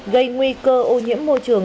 gây nguy cơ ô nhiễm môi trường